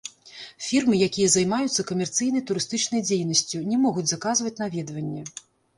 Фірмы, якія займаюцца камерцыйнай турыстычнай дзейнасцю, не могуць заказваць наведванне.